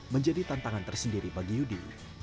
menjadi tantangan tersendiri bagi yudi